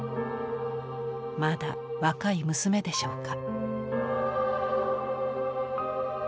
まだ若い娘でしょうか。